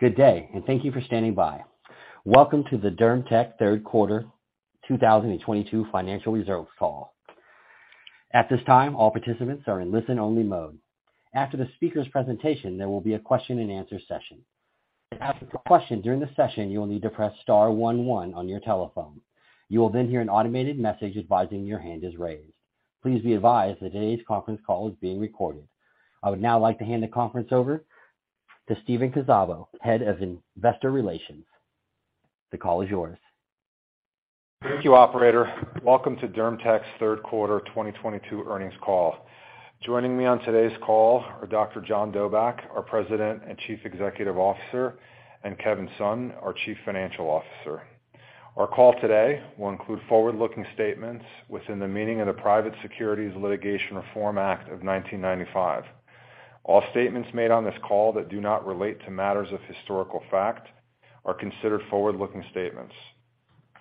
Good day, and thank you for standing by. Welcome to the DermTech Third Quarter 2022 Financial Results Call. At this time, all participants are in listen-only mode. After the speaker's presentation, there will be a question-and-answer session. To ask a question during the session, you will need to press star one one on your telephone. You will then hear an automated message advising your hand is raised. Please be advised that today's conference call is being recorded. I would now like to hand the conference over to Steve Kunszabo, Head of Investor Relations. The call is yours. Thank you, operator. Welcome to DermTech's third quarter 2022 earnings call. Joining me on today's call are Dr. John Dobak, our President and Chief Executive Officer, and Kevin Sun, our Chief Financial Officer. Our call today will include forward-looking statements within the meaning of the Private Securities Litigation Reform Act of 1995. All statements made on this call that do not relate to matters of historical fact are considered forward-looking statements.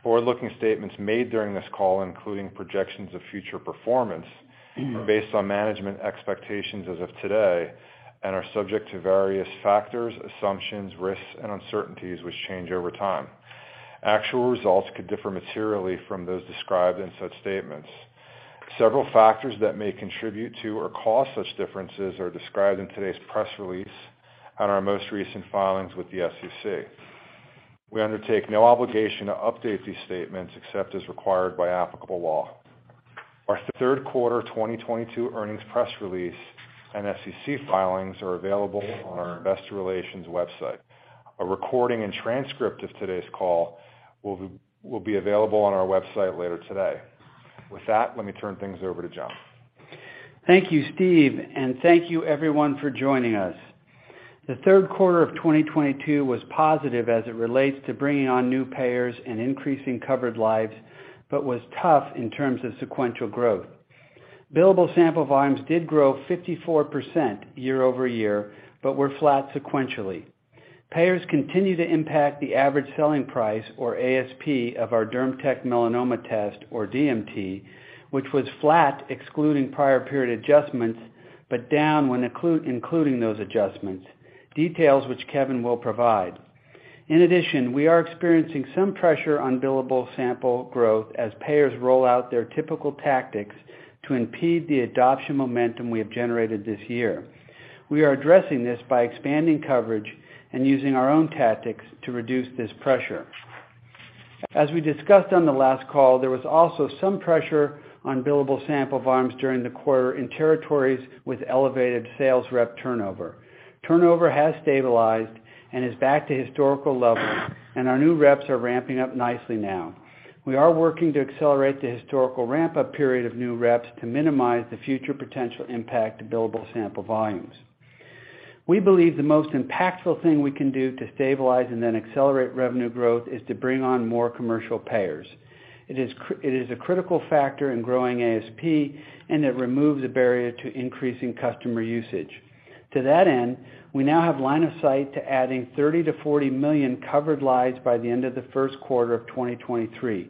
Forward-looking statements made during this call, including projections of future performance, are based on management expectations as of today and are subject to various factors, assumptions, risks, and uncertainties which change over time. Actual results could differ materially from those described in such statements. Several factors that may contribute to or cause such differences are described in today's press release and our most recent filings with the SEC. We undertake no obligation to update these statements except as required by applicable law. Our third quarter 2022 earnings press release and SEC filings are available on our investor relations website. A recording and transcript of today's call will be available on our website later today. With that, let me turn things over to John. Thank you, Steve, and thank you everyone for joining us. The third quarter of 2022 was positive as it relates to bringing on new payers and increasing covered lives, but was tough in terms of sequential growth. Billable sample volumes did grow 54% year-over-year, but were flat sequentially. Payers continue to impact the average selling price or ASP of our DermTech Melanoma Test or DMT, which was flat excluding prior period adjustments, but down when including those adjustments, details which Kevin will provide. In addition, we are experiencing some pressure on billable sample growth as payers roll out their typical tactics to impede the adoption momentum we have generated this year. We are addressing this by expanding coverage and using our own tactics to reduce this pressure. As we discussed on the last call, there was also some pressure on billable sample volumes during the quarter in territories with elevated sales rep turnover. Turnover has stabilized and is back to historical levels, and our new reps are ramping up nicely now. We are working to accelerate the historical ramp-up period of new reps to minimize the future potential impact to billable sample volumes. We believe the most impactful thing we can do to stabilize and then accelerate revenue growth is to bring on more commercial payers. It is a critical factor in growing ASP, and it removes a barrier to increasing customer usage. To that end, we now have line of sight to adding 30-40 million covered lives by the end of the first quarter of 2023.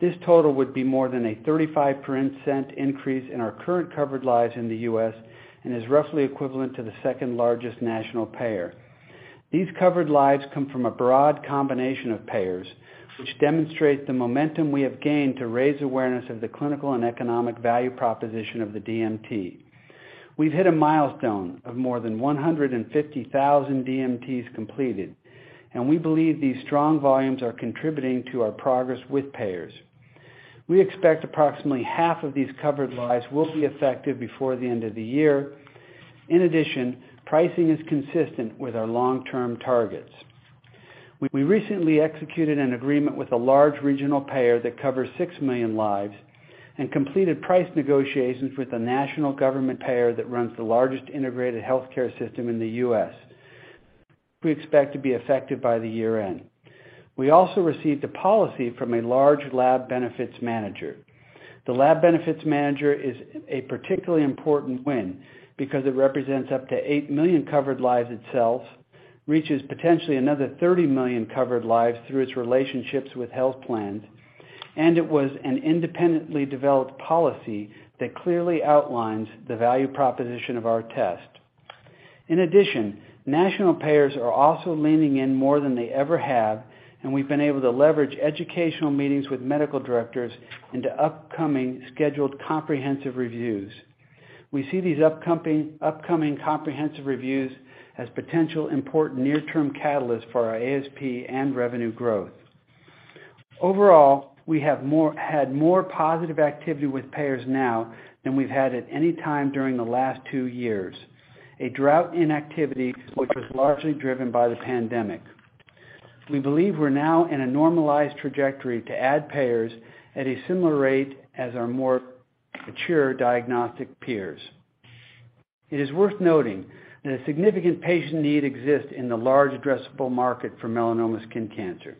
This total would be more than a 35% increase in our current covered lives in the U.S. and is roughly equivalent to the second-largest national payer. These covered lives come from a broad combination of payers, which demonstrate the momentum we have gained to raise awareness of the clinical and economic value proposition of the DMT. We've hit a milestone of more than 150,000 DMTs completed, and we believe these strong volumes are contributing to our progress with payers. We expect approximately half of these covered lives will be effective before the end of the year. In addition, pricing is consistent with our long-term targets. We recently executed an agreement with a large regional payer that covers 6 million lives and completed price negotiations with a national government payer that runs the largest integrated healthcare system in the U.S. We expect to be effective by the year-end. We also received a policy from a large lab benefits manager. The lab benefits manager is a particularly important win because it represents up to 8 million covered lives itself, reaches potentially another 30 million covered lives through its relationships with health plans, and it was an independently developed policy that clearly outlines the value proposition of our test. In addition, national payers are also leaning in more than they ever have, and we've been able to leverage educational meetings with medical directors into upcoming scheduled comprehensive reviews. We see these upcoming comprehensive reviews as potential important near-term catalysts for our ASP and revenue growth. Overall, we had more positive activity with payers now than we've had at any time during the last 2 years, a drought in activity which was largely driven by the pandemic. We believe we're now in a normalized trajectory to add payers at a similar rate as our more mature diagnostic peers. It is worth noting that a significant patient need exists in the large addressable market for melanoma skin cancer.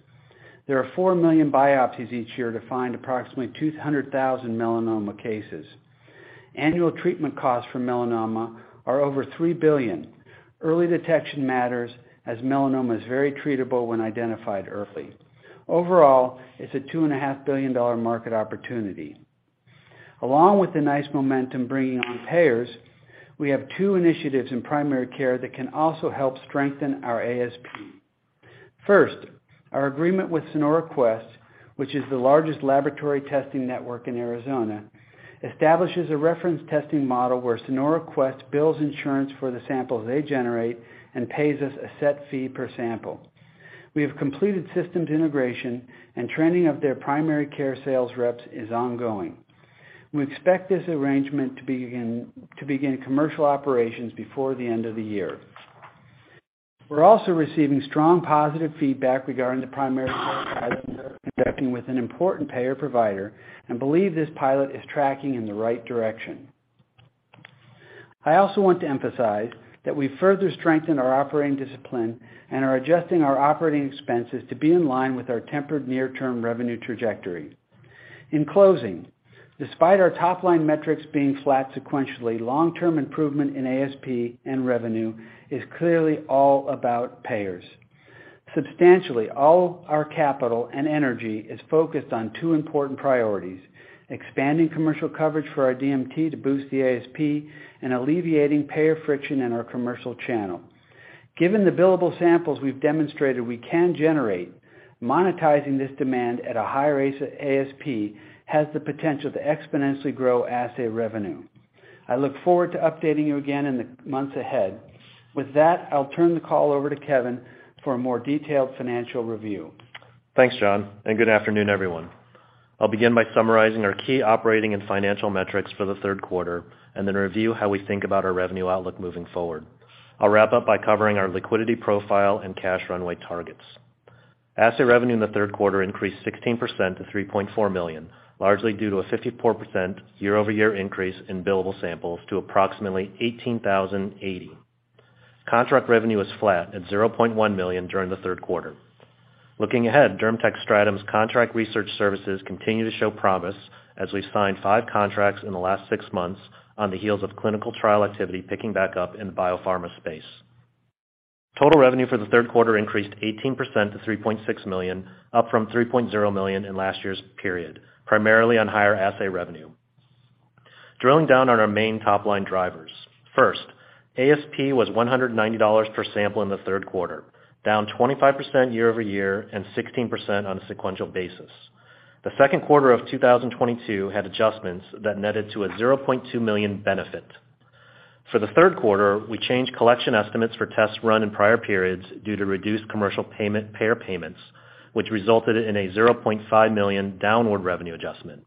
There are 4 million biopsies each year to find approximately 200,000 melanoma cases. Annual treatment costs for melanoma are over $3 billion. Early detection matters as melanoma is very treatable when identified early. Overall, it's a $2.5 billion market opportunity. Along with the nice momentum bringing on payers, we have two initiatives in primary care that can also help strengthen our ASP. First, our agreement with Sonora Quest, which is the largest laboratory testing network in Arizona, establishes a reference testing model where Sonora Quest bills insurance for the samples they generate and pays us a set fee per sample. We have completed systems integration, and training of their primary care sales reps is ongoing. We expect this arrangement to begin commercial operations before the end of the year. We're also receiving strong positive feedback regarding the primary care pilot we're conducting with an important payer provider and believe this pilot is tracking in the right direction. I also want to emphasize that we've further strengthened our operating discipline and are adjusting our operating expenses to be in line with our tempered near-term revenue trajectory. In closing, despite our top-line metrics being flat sequentially, long-term improvement in ASP and revenue is clearly all about payers. Substantially all our capital and energy is focused on two important priorities, expanding commercial coverage for our DMT to boost the ASP and alleviating payer friction in our commercial channel. Given the billable samples we've demonstrated we can generate, monetizing this demand at a higher ASP has the potential to exponentially grow assay revenue. I look forward to updating you again in the months ahead. With that, I'll turn the call over to Kevin for a more detailed financial review. Thanks, John, and good afternoon, everyone. I'll begin by summarizing our key operating and financial metrics for the third quarter and then review how we think about our revenue outlook moving forward. I'll wrap up by covering our liquidity profile and cash runway targets. Assay revenue in the third quarter increased 16% to $3.4 million, largely due to a 54% year-over-year increase in billable samples to approximately 18,080. Contract revenue was flat at $0.1 million during the third quarter. Looking ahead, DermTech Stratum's contract research services continue to show promise as we've signed 5 contracts in the last 6 months on the heels of clinical trial activity picking back up in the biopharma space. Total revenue for the third quarter increased 18% to $3.6 million, up from $3.0 million in last year's period, primarily on higher assay revenue. Drilling down on our main top-line drivers. First, ASP was $190 per sample in the third quarter, down 25% year-over-year and 16% on a sequential basis. The second quarter of 2022 had adjustments that netted to a $0.2 million benefit. For the third quarter, we changed collection estimates for tests run in prior periods due to reduced commercial payment payer payments, which resulted in a $0.5 million downward revenue adjustment.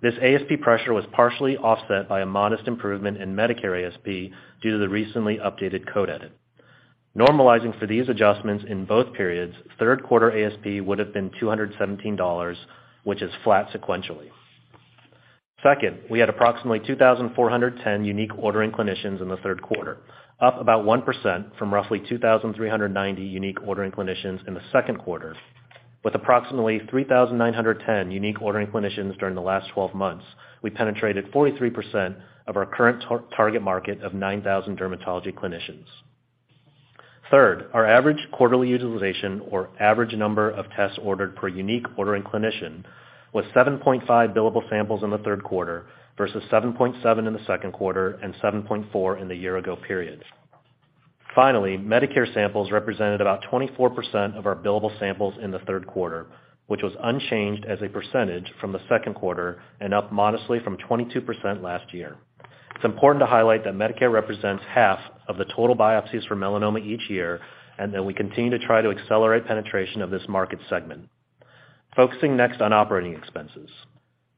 This ASP pressure was partially offset by a modest improvement in Medicare ASP due to the recently updated code edit. Normalizing for these adjustments in both periods, third quarter ASP would have been $217, which is flat sequentially. Second, we had approximately 2,410 unique ordering clinicians in the third quarter, up about 1% from roughly 2,390 unique ordering clinicians in the second quarter. With approximately 3,910 unique ordering clinicians during the last 12 months, we penetrated 43% of our current target market of 9,000 dermatology clinicians. Third, our average quarterly utilization or average number of tests ordered per unique ordering clinician was 7.5 billable samples in the third quarter versus 7.7 in the second quarter and 7.4 in the year-ago periods. Finally, Medicare samples represented about 24% of our billable samples in the third quarter, which was unchanged as a percentage from the second quarter and up modestly from 22% last year. It's important to highlight that Medicare represents half of the total biopsies for melanoma each year, and that we continue to try to accelerate penetration of this market segment. Focusing next on operating expenses.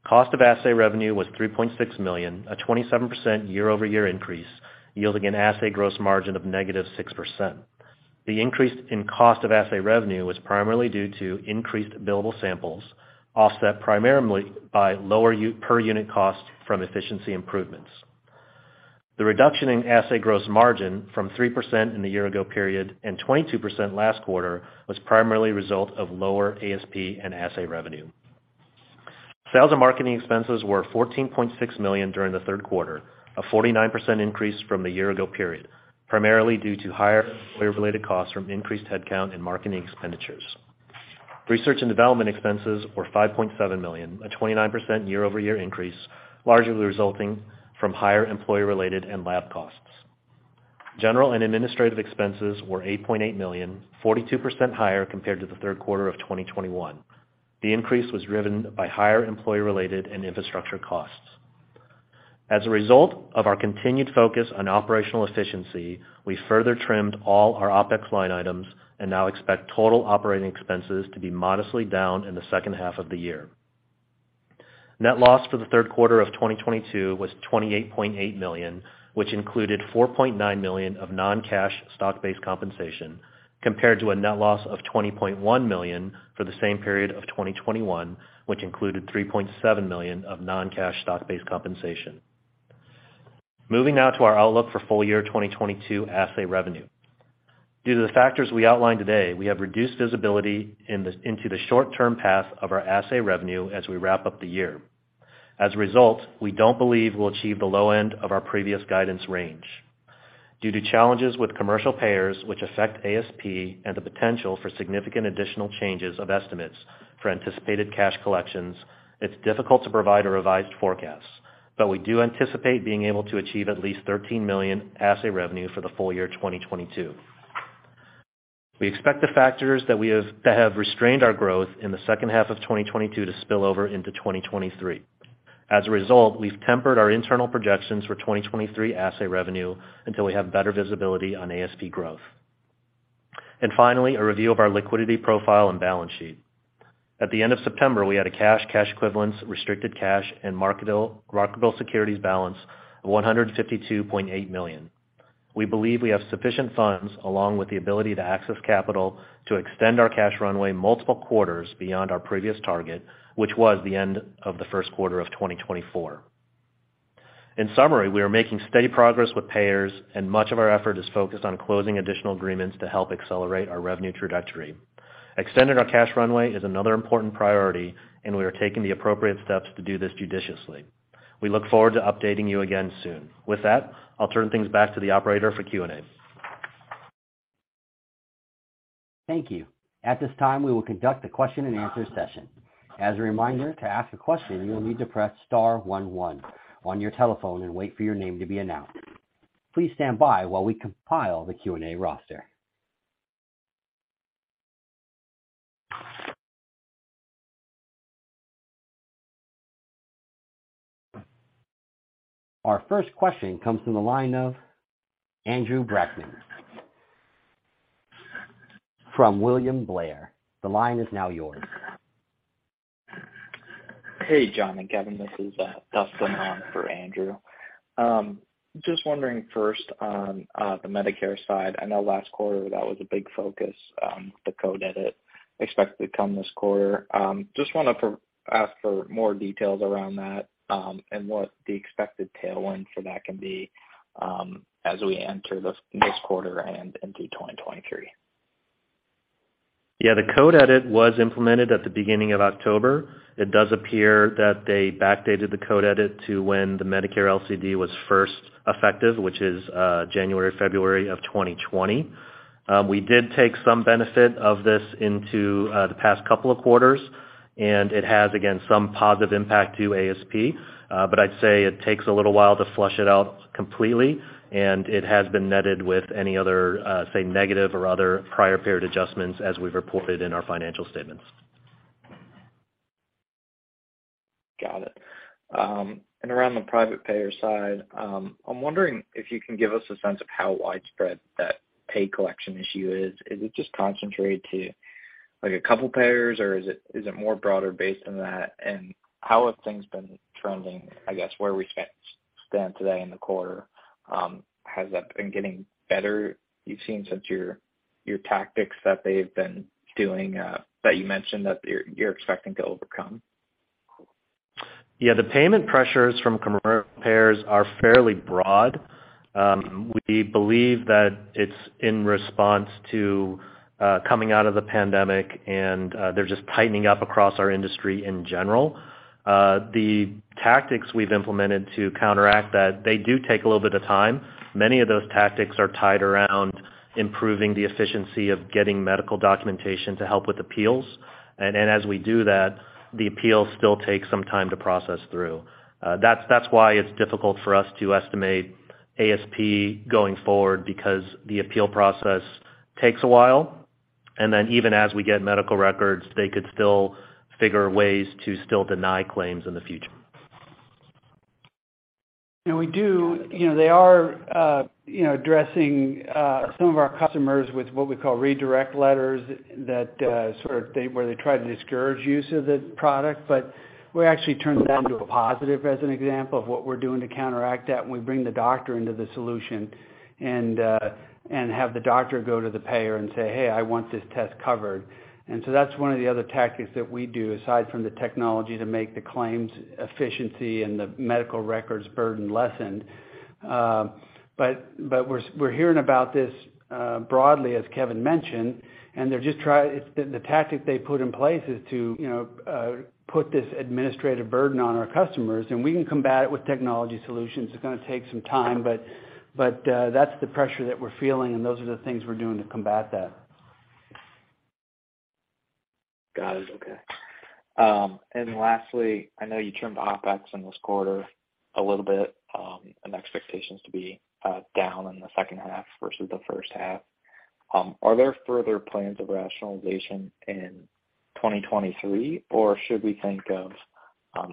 Cost of assay revenue was $3.6 million, a 27% year-over-year increase, yielding an assay gross margin of -6%. The increase in cost of assay revenue was primarily due to increased billable samples, offset primarily by lower per unit costs from efficiency improvements. The reduction in assay gross margin from 3% in the year ago period and 22% last quarter was primarily a result of lower ASP and assay revenue. Sales and marketing expenses were $14.6 million during the third quarter, a 49% increase from the year ago period, primarily due to higher employee-related costs from increased headcount and marketing expenditures. Research and development expenses were $5.7 million, a 29% year-over-year increase, largely resulting from higher employee-related and lab costs. General and administrative expenses were $8.8 million, 42% higher compared to the third quarter of 2021. The increase was driven by higher employee-related and infrastructure costs. As a result of our continued focus on operational efficiency, we further trimmed all our OpEx line items and now expect total operating expenses to be modestly down in the second half of the year. Net loss for the third quarter of 2022 was $28.8 million, which included $4.9 million of non-cash stock-based compensation, compared to a net loss of $20.1 million for the same period of 2021, which included $3.7 million of non-cash stock-based compensation. Moving now to our outlook for full year 2022 assay revenue. Due to the factors we outlined today, we have reduced visibility in this, into the short-term path of our assay revenue as we wrap up the year. As a result, we don't believe we'll achieve the low end of our previous guidance range. Due to challenges with commercial payers which affect ASP and the potential for significant additional changes of estimates for anticipated cash collections, it's difficult to provide a revised forecast. We do anticipate being able to achieve at least $13 million assay revenue for the full year 2022. We expect the factors that have restrained our growth in the second half of 2022 to spill over into 2023. As a result, we've tempered our internal projections for 2023 assay revenue until we have better visibility on ASP growth. Finally, a review of our liquidity profile and balance sheet. At the end of September, we had a cash equivalents, restricted cash, and marketable securities balance of $152.8 million. We believe we have sufficient funds, along with the ability to access capital, to extend our cash runway multiple quarters beyond our previous target, which was the end of the first quarter of 2024. In summary, we are making steady progress with payers, and much of our effort is focused on closing additional agreements to help accelerate our revenue trajectory. Extending our cash runway is another important priority, and we are taking the appropriate steps to do this judiciously. We look forward to updating you again soon. With that, I'll turn things back to the operator for Q&A. Thank you. At this time, we will conduct a question-and-answer session. As a reminder, to ask a question, you will need to press star one one on your telephone and wait for your name to be announced. Please stand by while we compile the Q&A roster. Our first question comes from the line of Andrew Brackmann from William Blair. The line is now yours. Hey, John and Kevin. This is Dustin on for Andrew. Just wondering first on the Medicare side, I know last quarter that was a big focus, the code edit expected to come this quarter. Just want to ask for more details around that, and what the expected tailwind for that can be, as we enter this next quarter and into 2023. Yeah, the code edit was implemented at the beginning of October. It does appear that they backdated the code edit to when the Medicare LCD was first effective, which is January, February of 2020. We did take some benefit of this into the past couple of quarters, and it has, again, some positive impact to ASP. I'd say it takes a little while to flush it out completely, and it has been netted with any other, say, negative or other prior period adjustments as we've reported in our financial statements. Got it. Around the private payer side, I'm wondering if you can give us a sense of how widespread that payer collection issue is. Is it just concentrated to, like, a couple payers, or is it more broader based than that? How have things been trending, I guess, where we stand today in the quarter? Has that been getting better you've seen since your tactics that you've been doing, that you mentioned that you're expecting to overcome? Yeah. The payment pressures from commercial payers are fairly broad. We believe that it's in response to coming out of the pandemic and they're just tightening up across our industry in general. The tactics we've implemented to counteract that, they do take a little bit of time. Many of those tactics are tied around improving the efficiency of getting medical documentation to help with appeals. As we do that, the appeals still take some time to process through. That's why it's difficult for us to estimate ASP going forward because the appeal process takes a while. Even as we get medical records, they could still figure ways to still deny claims in the future. We do. You know, they are, you know, addressing some of our customers with what we call redirect letters that, sort of where they try to discourage use of the product. But we actually turn that into a positive as an example of what we're doing to counteract that, and we bring the doctor into the solution and have the doctor go to the payer and say, "Hey, I want this test covered." That's one of the other tactics that we do aside from the technology to make the claims efficiency and the medical records burden lessened. But we're hearing about this broadly, as Kevin mentioned, and they're just try It's the tactic they put in place is to, you know, put this administrative burden on our customers, and we can combat it with technology solutions. It's gonna take some time, but that's the pressure that we're feeling, and those are the things we're doing to combat that. Got it. Okay. Lastly, I know you trimmed OpEx in this quarter a little bit, and expectations to be down in the second half versus the first half. Are there further plans of rationalization in 2023, or should we think of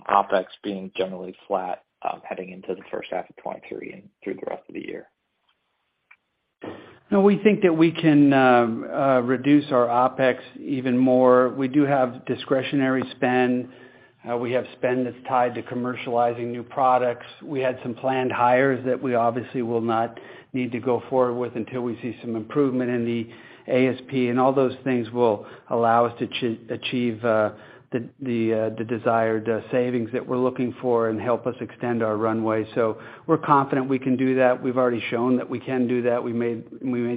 OpEx being generally flat heading into the first half of 2023 and through the rest of the year? No, we think that we can reduce our OpEx even more. We do have discretionary spend. We have spend that's tied to commercializing new products. We had some planned hires that we obviously will not need to go forward with until we see some improvement in the ASP, and all those things will allow us to achieve the desired savings that we're looking for and help us extend our runway. We're confident we can do that. We've already shown that we can do that. We made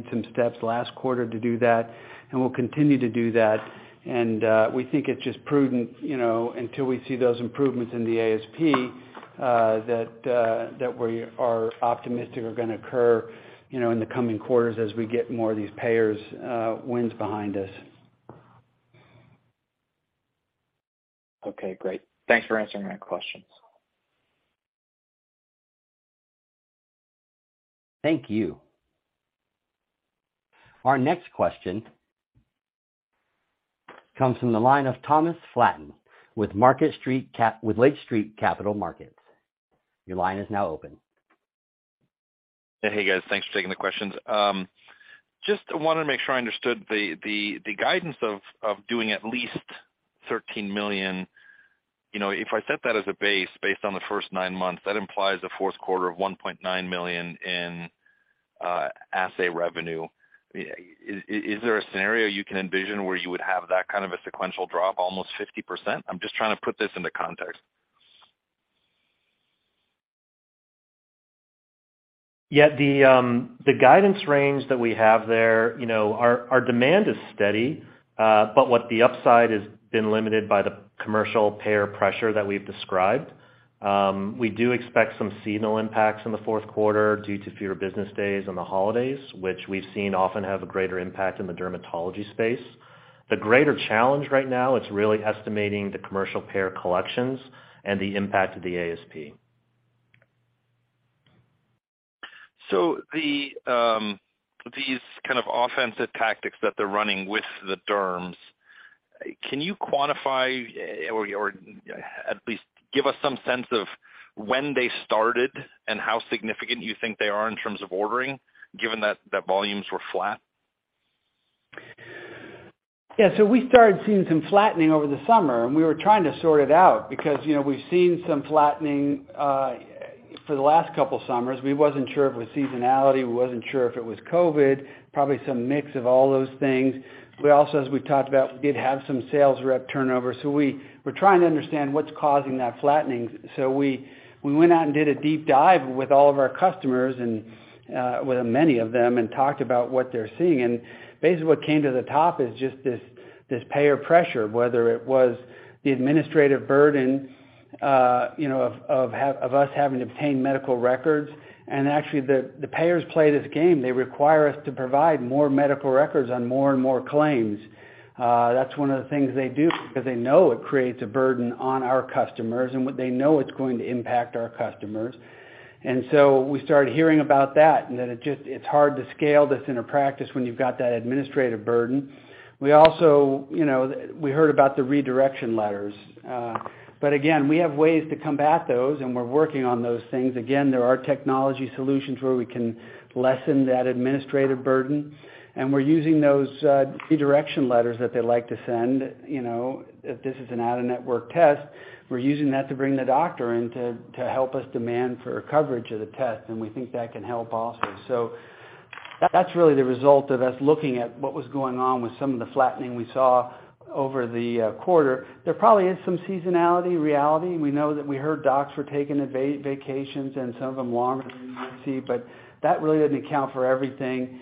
some steps last quarter to do that, and we'll continue to do that. We think it's just prudent, you know, until we see those improvements in the ASP that we are optimistic are gonna occur, you know, in the coming quarters as we get more of these payer wins behind us. Okay, great. Thanks for answering my questions. Thank you. Our next question comes from the line of Thomas Flaten with Lake Street Capital Markets. Your line is now open. Hey guys, thanks for taking the questions. Just wanted to make sure I understood the guidance of doing at least $13 million. You know, if I set that as a base based on the first nine months, that implies a fourth quarter of $1.9 million in assay revenue. Is there a scenario you can envision where you would have that kind of a sequential drop, almost 50%? I'm just trying to put this into context. Yeah, the guidance range that we have there, you know, our demand is steady, but what the upside has been limited by the commercial payer pressure that we've described. We do expect some seasonal impacts in the fourth quarter due to fewer business days on the holidays, which we've seen often have a greater impact in the dermatology space. The greater challenge right now is really estimating the commercial payer collections and the impact of the ASP. These kind of offensive tactics that they're running with the derms, can you quantify or at least give us some sense of when they started and how significant you think they are in terms of ordering, given that volumes were flat? Yeah. We started seeing some flattening over the summer, and we were trying to sort it out because, you know, we've seen some flattening for the last couple summers. We wasn't sure if it was seasonality, we wasn't sure if it was COVID, probably some mix of all those things. We also, as we talked about, we did have some sales rep turnover. We're trying to understand what's causing that flattening. We went out and did a deep dive with all of our customers and with many of them and talked about what they're seeing. Basically what came to the top is just this payer pressure, whether it was the administrative burden, you know, of us having to obtain medical records. Actually, the payers play this game. They require us to provide more medical records on more and more claims. That's one of the things they do because they know it creates a burden on our customers, and what they know it's going to impact our customers. We started hearing about that and that it just it's hard to scale this in a practice when you've got that administrative burden. We also, you know, we heard about the redirection letters. But again, we have ways to combat those, and we're working on those things. Again, there are technology solutions where we can lessen that administrative burden, and we're using those redirection letters that they like to send, you know, if this is an out-of-network test, we're using that to bring the doctor in to help us demand for coverage of the test, and we think that can help also. That's really the result of us looking at what was going on with some of the flattening we saw over the quarter. There probably is some seasonality reality. We know that we heard docs were taking vacations and some of them longer than we might see, but that really doesn't account for everything.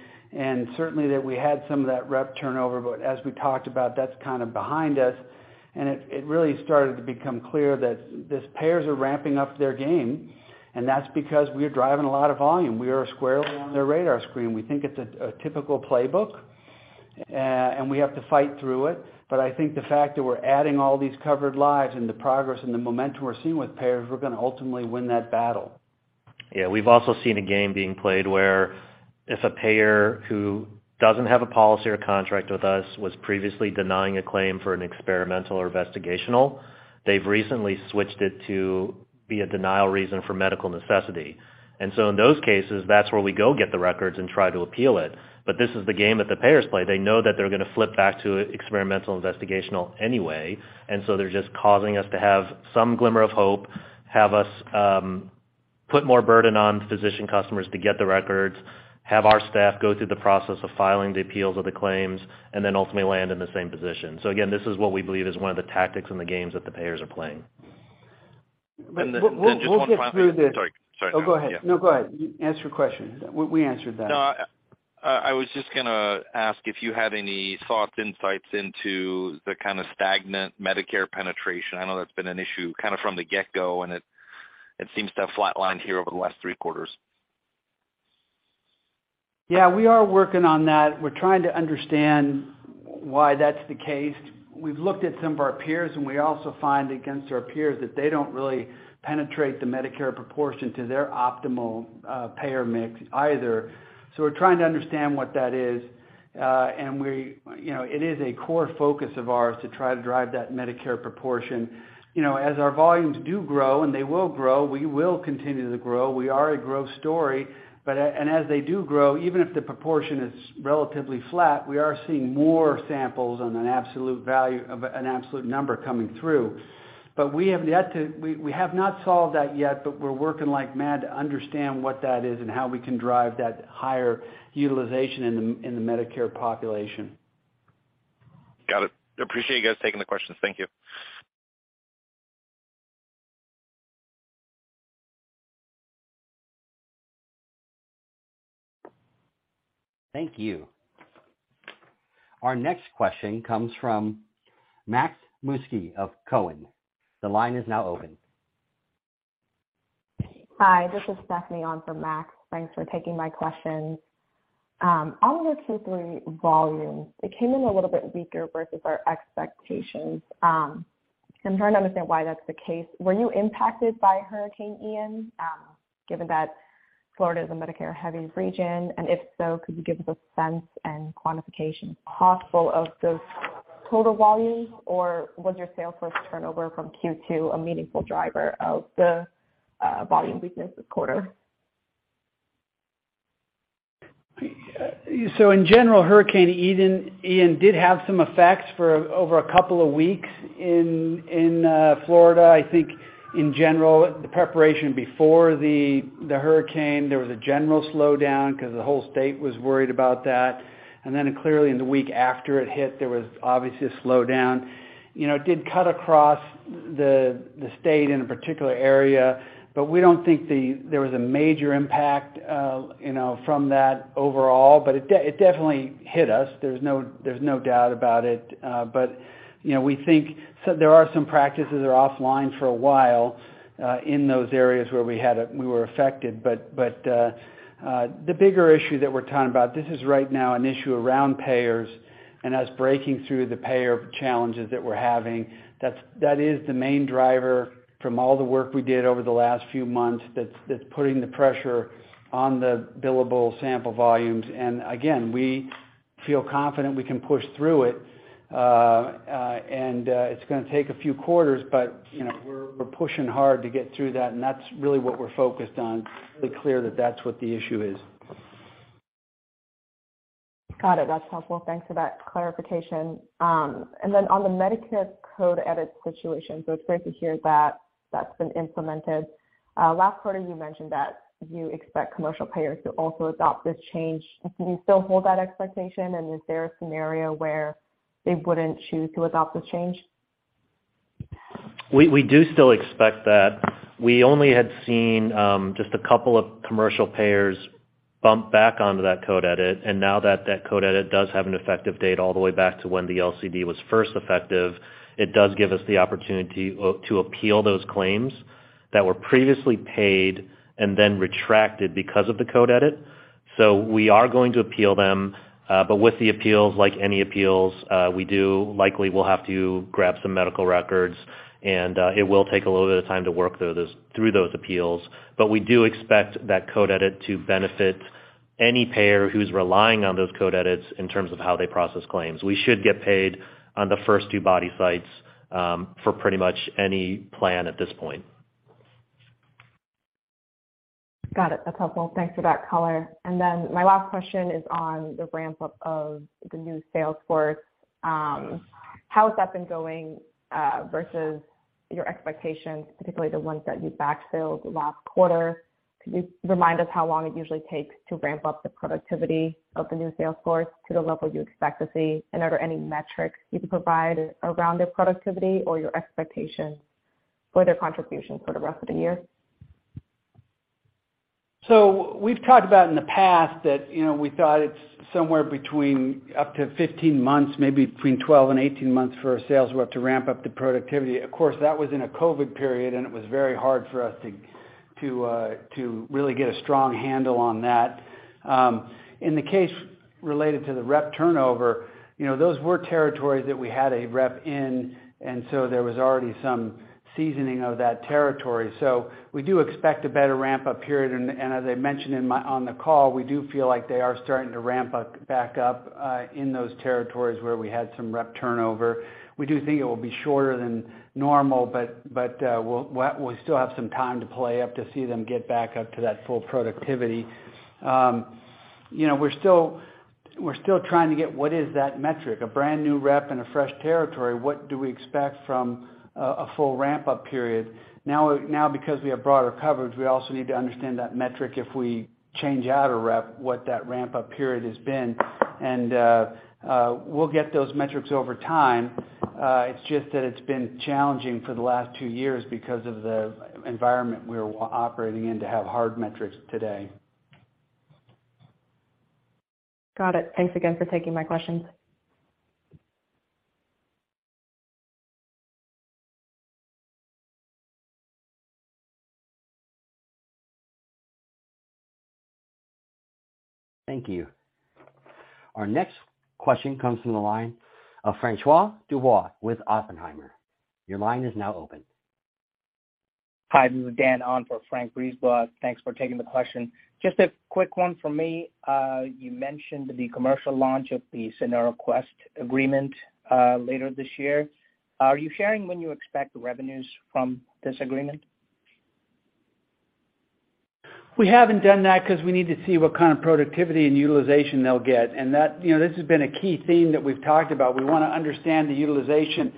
Certainly that we had some of that rep turnover. As we talked about, that's kind of behind us and it really started to become clear that these payers are ramping up their game and that's because we're driving a lot of volume. We are squarely on their radar screen. We think it's a typical playbook, and we have to fight through it. I think the fact that we're adding all these covered lives and the progress and the momentum we're seeing with payers, we're gonna ultimately win that battle. Yeah. We've also seen a game being played where if a payer who doesn't have a policy or contract with us was previously denying a claim for an experimental or investigational, they've recently switched it to be a denial reason for medical necessity. In those cases, that's where we go get the records and try to appeal it. This is the game that the payers play. They know that they're gonna flip back to experimental investigational anyway, and so they're just causing us to have some glimmer of hope, have us, put more burden on physician customers to get the records, have our staff go through the process of filing the appeals of the claims, and then ultimately land in the same position. Again, this is what we believe is one of the tactics and the games that the payers are playing. We'll get through this. Sorry. Oh, go ahead. No, go ahead. Answer your question. We answered that. No, I was just gonna ask if you had any thoughts or insights into the kind of stagnant Medicare penetration. I know that's been an issue kind of from the get-go, and it seems to have flatlined here over the last three quarters. Yeah, we are working on that. We're trying to understand why that's the case. We've looked at some of our peers, and we also find against our peers that they don't really penetrate the Medicare proportion to their optimal, payer mix either. We're trying to understand what that is. You know, it is a core focus of ours to try to drive that Medicare proportion. You know, as our volumes do grow and they will grow, we will continue to grow. We are a growth story, but as they do grow, even if the proportion is relatively flat, we are seeing more samples on an absolute value of an absolute number coming through. But we have yet to. We have not solved that yet, but we're working like mad to understand what that is and how we can drive that higher utilization in the Medicare population. Got it. Appreciate you guys taking the questions. Thank you. Thank you. Our next question comes from Max Masucci of Cowen. The line is now open. Hi, this is Stephanie on for Max. Thanks for taking my questions. On the Q3 volume, it came in a little bit weaker versus our expectations. I'm trying to understand why that's the case. Were you impacted by Hurricane Ian, given that Florida is a Medicare-heavy region? If so, could you give us a sense and quantification possible of those total volumes? Or was your sales force turnover from Q2 a meaningful driver of the volume weakness this quarter? In general, Hurricane Ian did have some effects for over a couple of weeks in Florida. I think in general, the preparation before the hurricane, there was a general slowdown because the whole state was worried about that. Then clearly in the week after it hit, there was obviously a slowdown. You know, it did cut across the state in a particular area, but we don't think there was a major impact, you know, from that overall. It definitely hit us. There's no doubt about it. You know, we think so there are some practices that are offline for a while in those areas where we were affected. The bigger issue that we're talking about, this is right now an issue around payers and us breaking through the payer challenges that we're having. That is the main driver from all the work we did over the last few months that's putting the pressure on the billable sample volumes. Again, we feel confident we can push through it, and it's gonna take a few quarters, but you know, we're pushing hard to get through that, and that's really what we're focused on. Really clear that that's what the issue is. Got it. That's helpful. Thanks for that clarification. On the Medicare code edit situation, it's great to hear that that's been implemented. Last quarter, you mentioned that you expect commercial payers to also adopt this change. Do you still hold that expectation? Is there a scenario where they wouldn't choose to adopt this change? We do still expect that. We only had seen just a couple of commercial payers bump back onto that code edit, and now that code edit does have an effective date all the way back to when the LCD was first effective, it does give us the opportunity to appeal those claims that were previously paid and then retracted because of the code edit. We are going to appeal them. With the appeals, like any appeals, we likely will have to grab some medical records and it will take a little bit of time to work through those appeals. We do expect that code edit to benefit any payer who's relying on those code edits in terms of how they process claims. We should get paid on the first two body sites, for pretty much any plan at this point. Got it. That's helpful. Thanks for that color. Then my last question is on the ramp up of the new sales force. How has that been going versus your expectations, particularly the ones that you backfilled last quarter? Could you remind us how long it usually takes to ramp up the productivity of the new sales force to the level you expect to see? Are there any metrics you can provide around their productivity or your expectations for their contribution for the rest of the year? We've talked about in the past that, you know, we thought it's somewhere between up to 15 months, maybe between 12 and 18 months for our sales rep to ramp up the productivity. Of course, that was in a COVID period, and it was very hard for us to really get a strong handle on that. In the case related to the rep turnover, you know, those were territories that we had a rep in, and so there was already some seasoning of that territory. We do expect a better ramp-up period. As I mentioned on the call, we do feel like they are starting to ramp back up in those territories where we had some rep turnover. We do think it will be shorter than normal, we still have some time to play out to see them get back up to that full productivity. You know, we're still trying to get what is that metric? A brand new rep in a fresh territory, what do we expect from a full ramp-up period? Because we have broader coverage, we also need to understand that metric if we change out a rep, what that ramp-up period has been. We'll get those metrics over time. It's just that it's been challenging for the last two years because of the environment we're operating in to have hard metrics today. Got it. Thanks again for taking my questions. Thank you. Our next question comes from the line of François Brisebois with Oppenheimer. Your line is now open. Hi, this is Dan on for François Brisebois. Thanks for taking the question. Just a quick one from me. You mentioned the commercial launch of the Sonora Quest agreement later this year. Are you sharing when you expect the revenues from this agreement? We haven't done that because we need to see what kind of productivity and utilization they'll get. That, you know, this has been a key theme that we've talked about. We wanna understand the utilization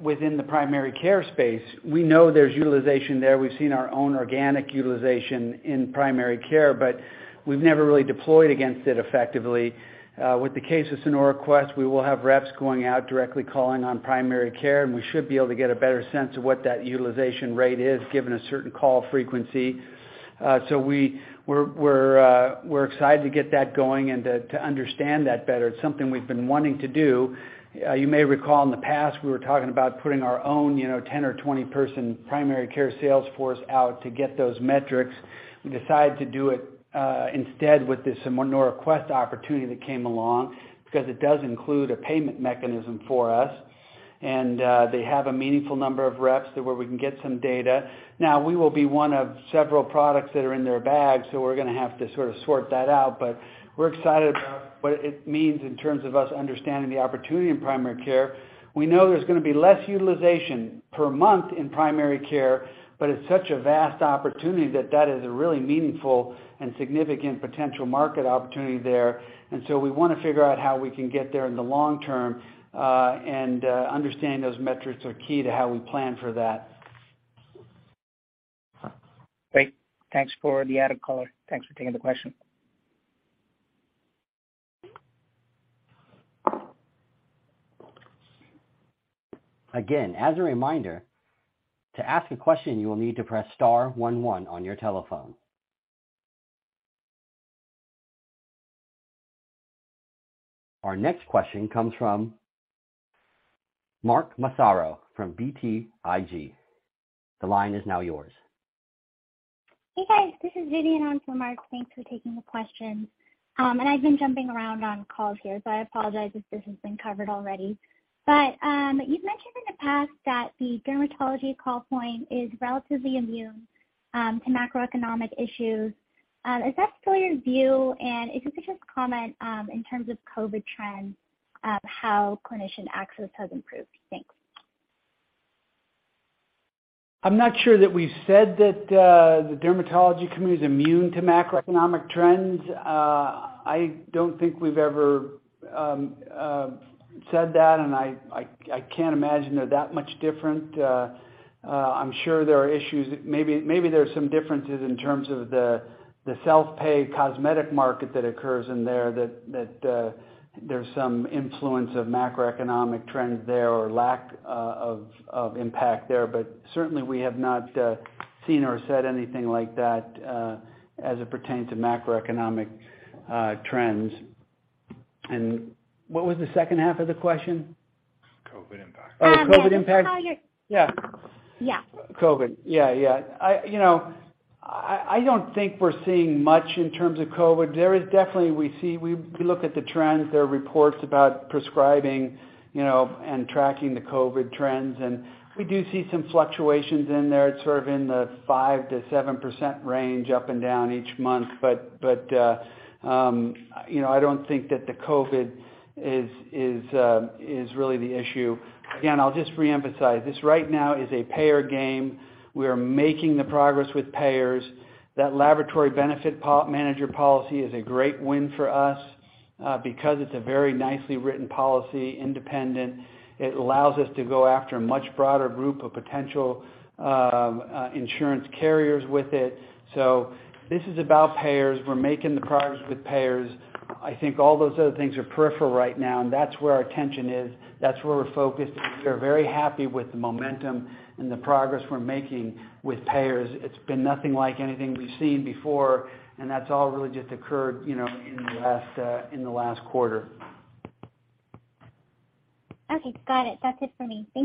within the primary care space. We know there's utilization there. We've seen our own organic utilization in primary care, but we've never really deployed against it effectively. With the case of Sonora Quest, we will have reps going out directly calling on primary care, and we should be able to get a better sense of what that utilization rate is given a certain call frequency. So we're excited to get that going and to understand that better. It's something we've been wanting to do. You may recall in the past, we were talking about putting our own, you know, 10 or 20 person primary care sales force out to get those metrics. We decided to do it instead with this Sonora Quest opportunity that came along because it does include a payment mechanism for us. They have a meaningful number of reps where we can get some data. Now, we will be one of several products that are in their bag, so we're gonna have to sort of swap that out. We're excited about what it means in terms of us understanding the opportunity in primary care. We know there's gonna be less utilization per month in primary care, but it's such a vast opportunity that that is a really meaningful and significant potential market opportunity there. We wanna figure out how we can get there in the long term, and understanding those metrics are key to how we plan for that. Great. Thanks for the added color. Thanks for taking the question. Again, as a reminder, to ask a question, you will need to press star one one on your telephone. Our next question comes from Mark Massaro from BTIG. The line is now yours. Hey, guys. This is Vidyun on for Mark. Thanks for taking the question. I've been jumping around on calls here, so I apologize if this has been covered already. You've mentioned in the past that the dermatology call point is relatively immune to macroeconomic issues. Is that still your view? If you could just comment in terms of COVID trends, how clinician access has improved. Thanks. I'm not sure that we've said that, the dermatology community is immune to macroeconomic trends. I don't think we've ever said that, and I can't imagine they're that much different. I'm sure there are issues. Maybe there are some differences in terms of the self-pay cosmetic market that occurs in there that there's some influence of macroeconomic trends there or lack of impact there. Certainly we have not seen or said anything like that as it pertains to macroeconomic trends. What was the second half of the question? COVID impact. Oh, COVID impact. Yeah, just how you're Yeah. Yeah. COVID. Yeah, yeah. I, you know, I don't think we're seeing much in terms of COVID. We look at the trends. There are reports about prescribing, you know, and tracking the COVID trends, and we do see some fluctuations in there. It's sort of in the 5%-7% range up and down each month. But, you know, I don't think that the COVID is really the issue. Again, I'll just reemphasize. This right now is a payer game. We are making the progress with payers. That laboratory benefit manager policy is a great win for us, because it's a very nicely written policy, independent. It allows us to go after a much broader group of potential insurance carriers with it. This is about payers. We're making the progress with payers. I think all those other things are peripheral right now, and that's where our attention is. That's where we're focused, and we are very happy with the momentum and the progress we're making with payers. It's been nothing like anything we've seen before, and that's all really just occurred, you know, in the last quarter. Okay, got it. That's it for me.